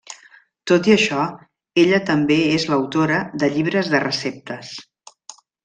Tot i això ella també és l'autora de llibres de receptes.